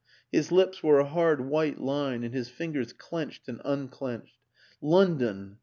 His lips were a hard white line and his fingers clenched and unclenched. London